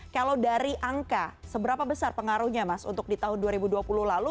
kalau dari angka seberapa besar pengaruhnya mas untuk di tahun dua ribu dua puluh lalu